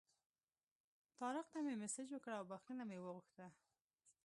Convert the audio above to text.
طارق ته مې مسیج وکړ او بخښنه مې وغوښته.